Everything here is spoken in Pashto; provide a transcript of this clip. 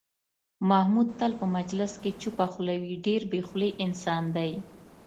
محمود تل په مجلس کې چوپه خوله وي، ډېر بې خولې انسان دی.